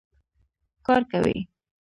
کار کوي.